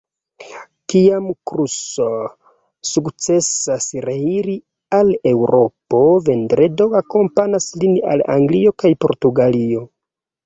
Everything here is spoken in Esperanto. Kiam Crusoe sukcesas reiri al Eŭropo, Vendredo akompanas lin al Anglio kaj Portugalio.